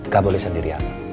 gak boleh sendirian